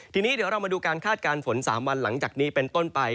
ทีนี้เดี๋ยวเรามาดูการคาดการณ์ฝน๓วันหลังจากนี้เป็นต้นไป